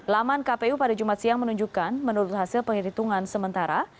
laman kpu pada jumat siang menunjukkan menurut hasil penghitungan sementara